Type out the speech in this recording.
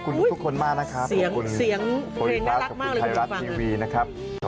ขอบคุณทุกคนมากนะครับดูฟังกับคุณคลิปรัสถ้ายลับทีวีนะครับ